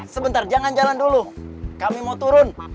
sebentar jangan jangan dulu kami mau turun